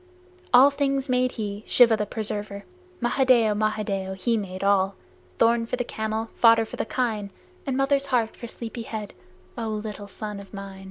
All things made he Shiva the Preserver. Mahadeo! Mahadeo! He made all, Thorn for the camel, fodder for the kine, And mother's heart for sleepy head, O little son of mine!